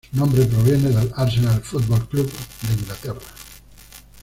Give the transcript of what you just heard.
Su nombre proviene del Arsenal Football Club de Inglaterra.